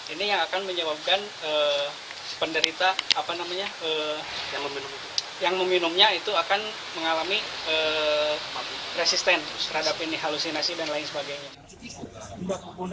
ini yang akan menyebabkan penderita apa namanya yang meminumnya itu akan mengalami resisten terhadap ini halusinasi dan lain sebagainya